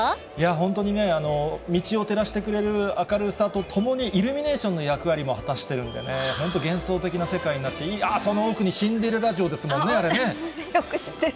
本当にね、道を照らしてくれる明るさとともに、イルミネーションの役割も果たしてるんでね、本当、幻想的な世界になって、ああ、その奥にシンデレラ城ですもんね、よく知ってる。